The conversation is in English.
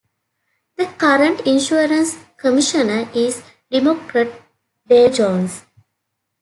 The current Insurance Commissioner is Democrat Dave Jones.